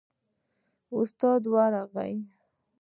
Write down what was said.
استازي ورغلل.